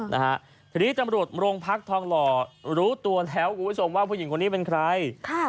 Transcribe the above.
นะฮะทีนี้ตำรวจโรงพักทองหล่อรู้ตัวแล้วคุณผู้ชมว่าผู้หญิงคนนี้เป็นใครค่ะ